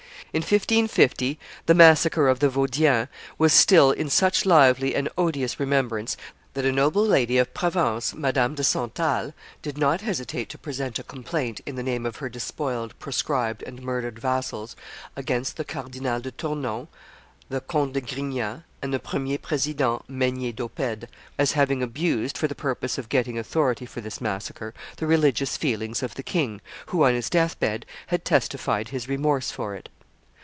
In 1550, the massacre of the Vaudians was still in such lively and odious remembrance that a noble lady of Provence, Madame de Cental, did not hesitate to present a complaint, in the name of her despoiled, proscribed, and murdered vassals, against the Cardinal de Tournon, the Count de Grignan, and the Premier President Maynier d'Oppede, as having abused, for the purpose of getting authority for this massacre, the religious feelings of the king, who on his death bed had testified his remorse for it.